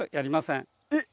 えっ？